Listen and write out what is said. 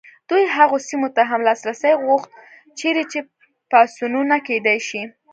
دوی هغو سیمو ته هم لاسرسی غوښت چیرې چې پاڅونونه کېدای شي.